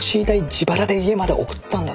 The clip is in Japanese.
自腹で家まで送ったんだぞ。